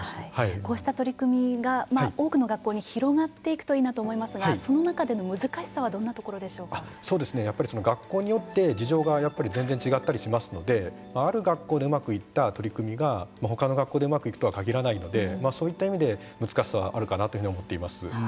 こうした取り組みが多くの学校に広がっていくといいなと思いますがその中での難しさはやっぱり学校によって事情が全然違ったりしますのである学校でうまくいった取り組みがほかの学校でうまくいくとは限らないのでそういった意味で難しさはあるかなというふうに思っています。